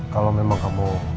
kalau memang kamu